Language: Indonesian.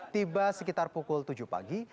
tiba sekitar pukul tujuh pagi